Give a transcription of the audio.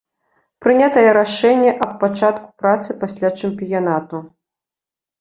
Прынятае рашэнне аб пачатку працы пасля чэмпіянату.